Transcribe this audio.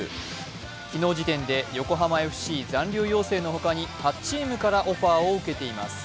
昨日時点で横浜ＦＣ残留要請のほかに８チームからオファーを受けています。